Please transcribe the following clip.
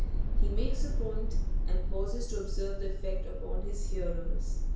He makes a point and pauses to observe the effect upon his hearers.